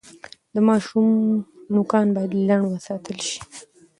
د ماشوم نوکان باید لنډ وساتل شي۔